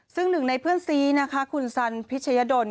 ซึ่งหนึ่งในเพื่อนซีนะคะคุณสันพิชยดล